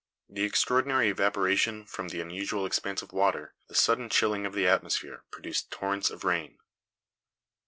The extraordinary evaporation from the unusual expanse of water, the sudden chilling of the atmosphere, produced torrents of rain.